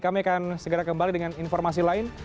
kami akan segera kembali dengan informasi lain